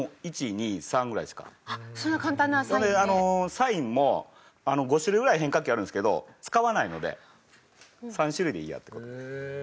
サインも５種類ぐらい変化球あるんですけど使わないので３種類でいいやって事で。